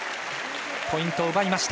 ポイント、奪いました。